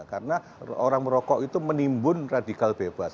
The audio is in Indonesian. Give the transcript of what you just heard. karena orang merokok itu menimbun radikal bebas